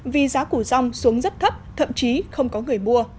vì giá củ rong xuống rất thấp thậm chí không có người mua